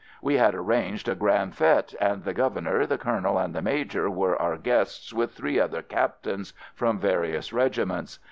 We had arranged a grand fete and the Governor, the Colonel, and the Major were our guests with three other Captains from various regiments.